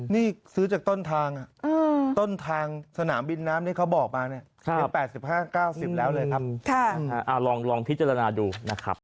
นี่ซื้อจากต้นทางต้นทางสนามบินน้ำนี่เขาบอกมา